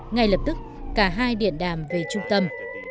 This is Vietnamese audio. ngay lập tức cả hai điện đàm về trung tâm